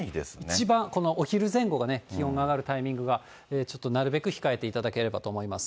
一番、このお昼前後がね、気温が上がるタイミングが、ちょっとなるべく控えていただけたらと思います。